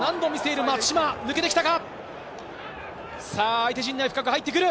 相手陣内、深く入ってくる。